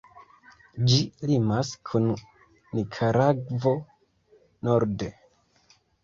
Ĝi limas kun Nikaragvo norde.